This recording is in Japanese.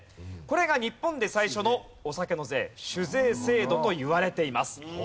これが日本で最初のお酒の税酒税制度といわれています。